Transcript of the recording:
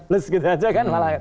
les gitu aja kan malah